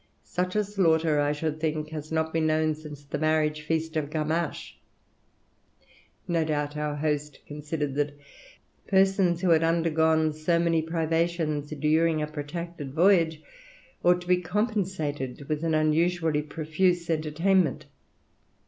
Such a slaughter, I should think, has not been known since the marriage feast of Gamache. No doubt our host considered that persons who had undergone so many privations during a protracted voyage ought to be compensated with an unusually profuse entertainment.